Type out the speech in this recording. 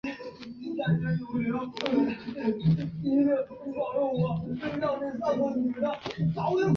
它得名于瓦西里岛东端岬角著名的老证券交易所大楼。